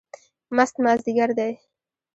مست مازدیګر دی